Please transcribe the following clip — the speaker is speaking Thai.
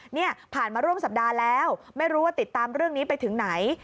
เนี่ยผ่านมาร่วมสัปดาห์แล้วไม่รู้ว่าติดตามเรื่องนี้ไปถึงไหน